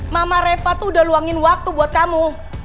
mama reva tuh udah luangin waktu buat kamu